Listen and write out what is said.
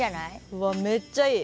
うわめっちゃいい。